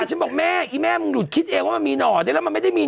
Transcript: ฉันบอกแม่อีแม่มึงหลุดคิดเองว่ามันมีหน่อได้แล้วมันไม่ได้มี